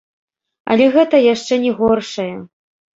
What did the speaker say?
Але гэта яшчэ не горшае.